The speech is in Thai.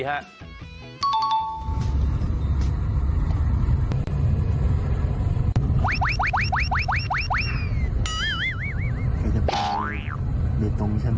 แค่จะไปดิวตรงใช่ไหม